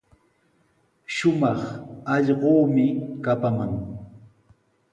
Shumaq allquumi kapaman.